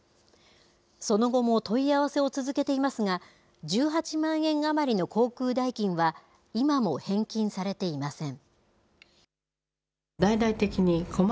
その後も問い合わせを続けていますが、１８万円余りの航空代金は、今も返金されていません。